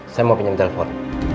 saya mau pinjam telpon